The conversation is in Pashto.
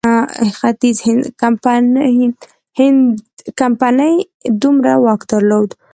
ختیځ هند کمپنۍ دومره واک درلود.